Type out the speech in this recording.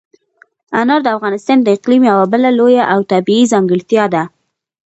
انار د افغانستان د اقلیم یوه بله لویه او طبیعي ځانګړتیا ده.